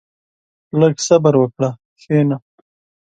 • لږ صبر وکړه، کښېنه.